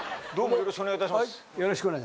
よろしくお願いします。